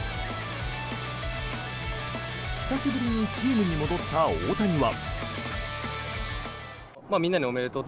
久しぶりにチームに戻った大谷は。